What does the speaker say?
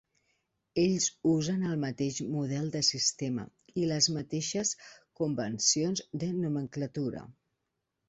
Ells usen el mateix model de sistema i les mateixes convencions de nomenclatura.